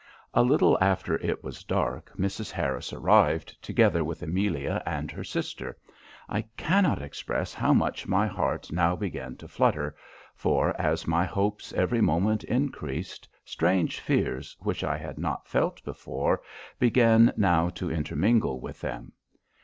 "A little after it was dark Mrs. Harris arrived, together with Amelia and her sister. I cannot express how much my heart now began to flutter; for, as my hopes every moment encreased, strange fears, which I had not felt before, began now to intermingle with them.